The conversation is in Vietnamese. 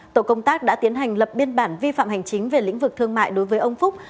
tổ công tác đã tiến hành lập biên bản vi phạm hành chính về lĩnh vực thương mại đối với ông phúc